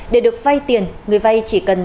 để được vay tiền người vay chỉ cần